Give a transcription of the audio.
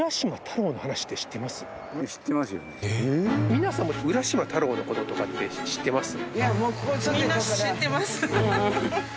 皆さん浦島太郎の事とかって知ってます？